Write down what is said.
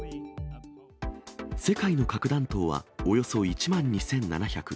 世界の核弾頭はおよそ１万２７００。